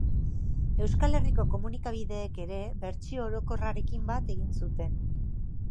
Euskal Herriko komunikabideek ere, bertsio orokorrarekin bat egin zuten.